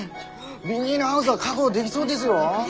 ビニールハウスは確保でぎそうですよ？